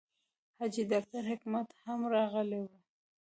حاجي ډاکټر حکمت هم راغلی و.